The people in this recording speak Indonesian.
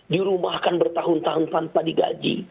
dirumahkan bertahun tahun tanpa digaji